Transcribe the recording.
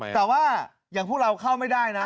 แต่ว่าอย่างพวกเราเข้าไม่ได้นะ